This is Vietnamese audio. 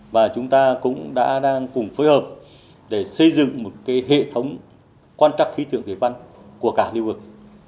và chúng ta cũng đã cùng phối hợp để xây dựng một hệ thống quan trọng khí thượng kỳ văn của cả lưu buộc